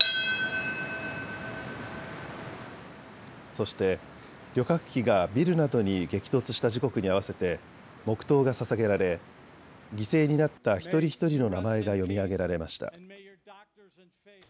そして旅客機がビルなどに激突した時刻に合わせて黙とうがささげられ犠牲になった一人ひとりの名前が読み上げられました。